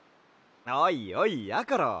おいおいやころ。